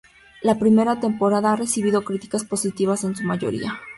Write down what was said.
La primera temporada ha recibido críticas positivas en su mayoría.